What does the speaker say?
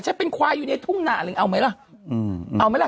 ฉันเป็นควายอยู่ในทุ่งหนาเลยเอาไหมล่ะเอาไหมล่ะ